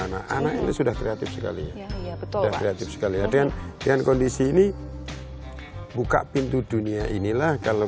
dan yang sudah tiga she collician typing dan gina hai yang bukain dunia inilah kalau